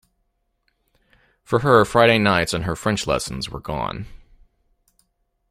For her Friday nights and her French lessons were gone.